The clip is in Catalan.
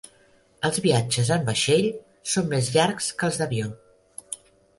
Els viatges en vaixell són més llargs que els d'avió.